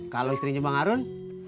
kalau istrinya bang arun